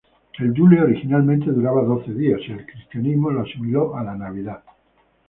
El Yule originalmente duraba doce días y el cristianismo lo asimiló a la Navidad.